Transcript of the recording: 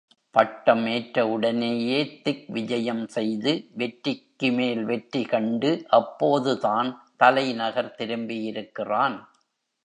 பட்டம் ஏற்ற உடனேயே திக்விஜயம் செய்து, வெற்றிக்கு மேல் வெற்றி கண்டு அப்போதுதான் தலைநகர் திரும்பியிருக்கிறான்.